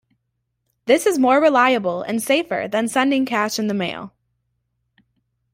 This is more reliable and safer than sending cash in the mail.